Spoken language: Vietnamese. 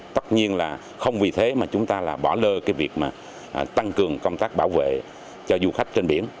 tất nhiên là không vì thế mà chúng ta bỏ lơ việc tăng cường công tác bảo vệ cho du khách trên biển